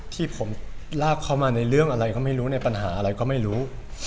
ที่ผมลากเข้ามาในเรื่องอะไรก็ไม่รู้ในปัญหาอะไรก็ไม่รู้